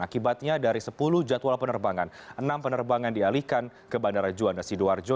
akibatnya dari sepuluh jadwal penerbangan enam penerbangan dialihkan ke bandara juanda sidoarjo